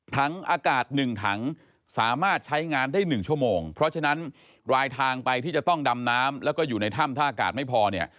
ถังอากาศ๑ถังสามารถใช้งานได้๑ชั่วโมงเพราะฉะนั้นรายทางไปที่จะต้องดำน้ำแล้วก็อยู่ในถ้ำถ้าอากาศไม่พอเนี่ย